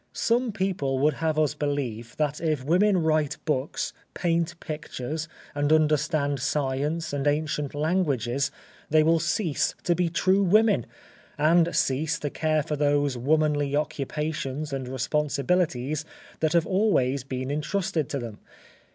Some people would have us believe that if women write books, paint pictures, and understand science and ancient languages, they will cease to be true women, and cease to care for those womanly occupations and responsibilities that have always been entrusted to them.